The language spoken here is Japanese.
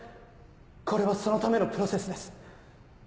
これはそのためのプロセスです。